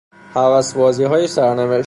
هوسبازیهای سرنوشت